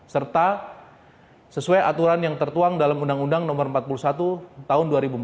serta sesuai aturan yang tertuang dalam undang undang no empat puluh satu tahun dua ribu empat belas